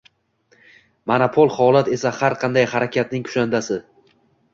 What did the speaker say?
Monopol holat esa har qanday harakatning kushandasi –